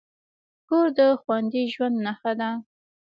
کور د خوندي ژوند نښه ده.